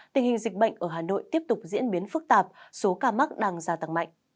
tình hình dịch bệnh ở hà nội tiếp tục diễn biến phức tạp số ca mắc đang gia tăng mạnh